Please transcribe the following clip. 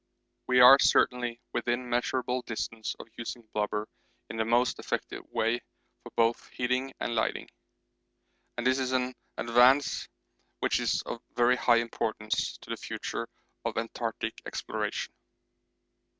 We are certainly within measurable distance of using blubber in the most effective way for both heating and lighting, and this is an advance which is of very high importance to the future of Antarctic Exploration.